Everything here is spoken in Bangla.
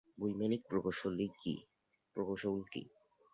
বৈমানিক প্রকৌশল কি?